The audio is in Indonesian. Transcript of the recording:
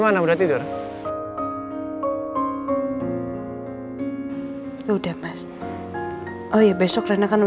iya yaudah kamu sekarang ini